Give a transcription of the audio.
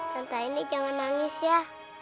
sampai ini jangan nangis ya